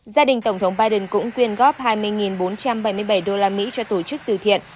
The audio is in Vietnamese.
gia đình tổng thống biden cũng quyên góp hai mươi bốn trăm bảy mươi bảy usd cho tổ chức từ thiện